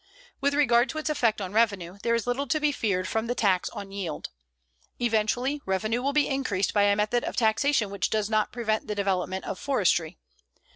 With regard to its effect on revenue, there is little to be feared from the tax on yield. Eventually, revenue will be increased by a method of taxation which does not prevent the development of forestry.